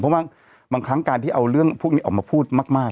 เพราะว่าบางครั้งการที่เอาเรื่องพวกนี้ออกมาพูดมาก